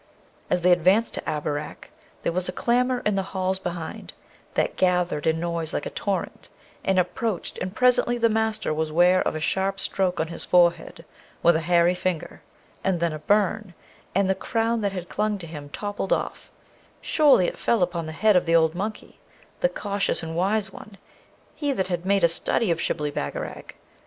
As they advanced to Abarak, there was a clamour in the halls behind, that gathered in noise like a torrent, and approached, and presently the Master was ware of a sharp stroke on his forehead with a hairy finger, and then a burn, and the Crown that had clung to him toppled off; surely it fell upon the head of the old monkey, the cautious and wise one, he that had made a study of Shibli Bagarag.